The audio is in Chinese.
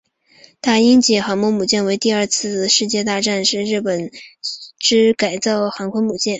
大鹰级航空母舰为第二次世界大战时日本帝国海军所辖之改造航空母舰。